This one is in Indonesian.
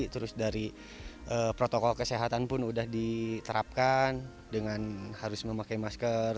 terus dari protokol kesehatan pun udah diterapkan dengan harus memakai masker